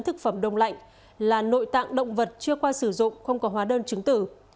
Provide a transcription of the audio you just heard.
thực phẩm đông lạnh là nội tạng động vật chưa qua sử dụng không có hóa đơn chứng tử